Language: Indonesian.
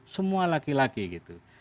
semua laki laki gitu